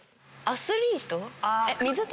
アスリート。